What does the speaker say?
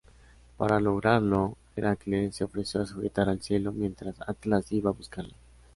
Para lograrlo, Heracles se ofreció a sujetar el cielo mientras Atlas iba a buscarlas.